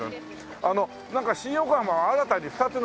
あのなんか新横浜新たに２つの線ができて。